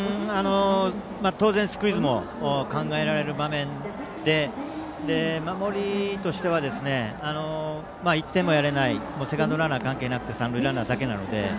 当然スクイズも考えられる場面で守りとしては、１点もやれないセカンドランナー関係なくて三塁ランナーだけなので。